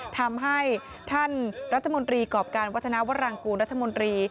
ทำให้ท่านรัฐมนตรีกรอบการวัฒนาวรังกูลรัฐมนตรี